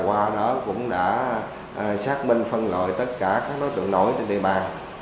qua đó cũng đã xác minh phân loại tất cả các đối tượng nổi trên địa bàn